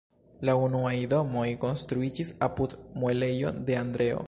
La unuaj domoj konstruiĝis apud muelejo de "Andreo".